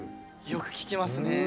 よく聴きますね。